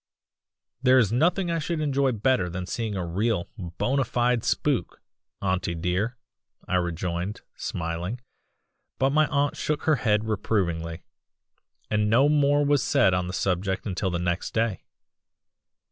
"'There is nothing I should enjoy better than seeing a real bona fide spook, auntie dear,' I rejoined, smiling; but my aunt shook her head reprovingly, and no more was said on the subject until the next day.